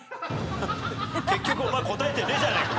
結局お前答えてねえじゃねえか。